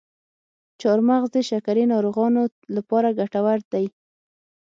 چارمغز د شکرې ناروغانو لپاره ګټور دی.